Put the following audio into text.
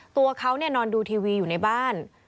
ตัวเขานอนดูทีวีอยู่ในบ้าน